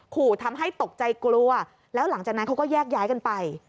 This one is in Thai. ขู่ทำให้ตกใจกลัวแล้วหลังจากนั้นเขาก็แยกย้ายกันไป